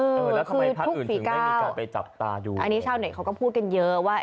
แล้วทำไมพระอื่นถึงไม่มีการไปจับตาอยู่อันนี้เช่าหน่อยเขาก็พูดกันเยอะว่า